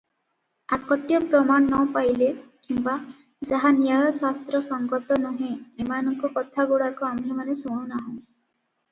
ଆକଟ୍ୟ ପ୍ରମାଣ ନ ପାଇଲେ କିମ୍ବା ଯାହା ନ୍ୟାୟଶାସ୍ତ୍ରସଙ୍ଗତ ନୁହେଁ, ଏମାନଙ୍କ କଥାଗୁଡାକ ଆମ୍ଭେମାନେ ଶୁଣୁନାହୁଁ ।